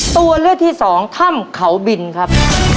ตัวเลือกที่สองถ้ำเขาบินครับ